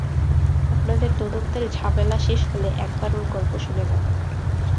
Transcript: আপনার তদন্তের ঝামেলা শেষ হলে একবার ওর গল্প শুনে যাবেন।